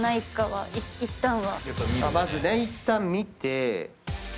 まずねいったん見て。